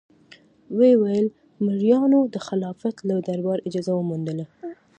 ویې ویل: مریانو د خلافت له دربار اجازه وموندله.